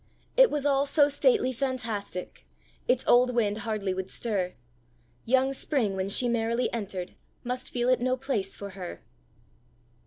It was all so stately fantastic, Its old wind hardly would stir: Young Spring, when she merrily entered, Must feel it no place for her!